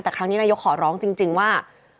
แต่ครั้งนี้นายกขอร้องจริงว่า